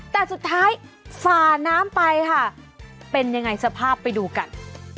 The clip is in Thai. แต่สุดท้ายฝ่าน้ำไปค่ะเป็นยังไงสภาพไปดูกัน